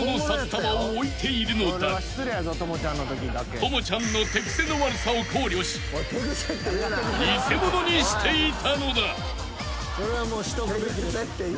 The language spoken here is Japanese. ［朋ちゃんの手癖の悪さを考慮し偽物にしていたのだ］